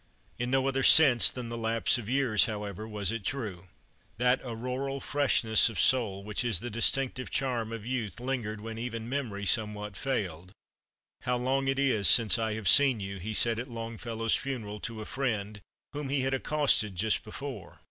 In no other sense than the lapse of years, however, was it true. That auroral freshness of soul which is the distinctive charm of youth lingered when even memory somewhat failed. "How long it is since I have seen you!" he said at Longfellow's funeral to a friend whom he had accosted just before.